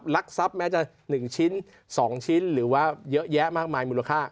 รักทรัพย์แม้จะ๑ชิ้น๒ชิ้นหรือว่าเยอะแยะมากมายมูลค่า